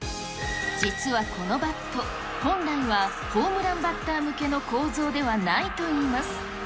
実はこのバット、本来はホームランバッター向けの構造ではないといいます。